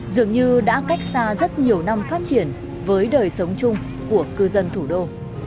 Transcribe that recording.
dường như đã cách xa rất nhiều năm phát triển với đời sống chung của cư dân thủ đô